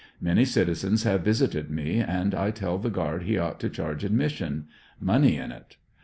Many citizens have visited me and I tell the guard he ought to charge admission; money in it.